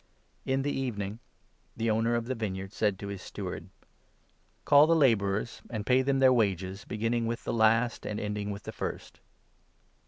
In the evening the owner of the vineyard said to his steward 8 ' Call the labourers, and pay them their wages, beginning with the last, and ending with the first.'